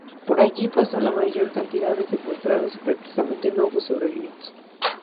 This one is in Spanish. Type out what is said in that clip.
Por allí pasó la mayor cantidad de secuestrados y prácticamente no hubo sobrevivientes.